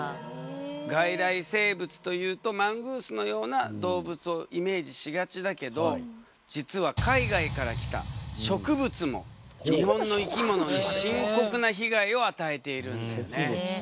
外来生物というとマングースのような動物をイメージしがちだけど実は海外から来た植物も日本の生き物に深刻な被害を与えているんだよね。